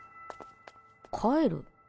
帰る？